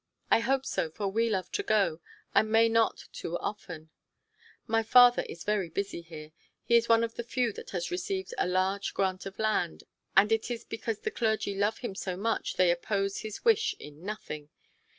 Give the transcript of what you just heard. I hope so, for we love to go, and may not too often; my father is very busy here. He is one of the few that has received a large grant of land, and it is because the clergy love him so much they oppose his wish in nothing.